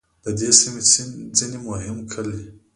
د دې سیمې ځینې مهم کلي